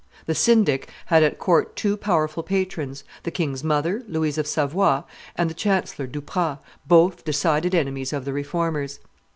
The syndic had at court two powerful patrons, the king's mother, Louise of Savoy, and the chancellor, Duprat, both decided enemies of the Reformers.